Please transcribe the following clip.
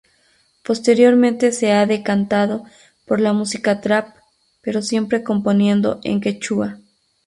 Posteriormente se ha decantado por la música trap, pero siempre componiendo en quechua.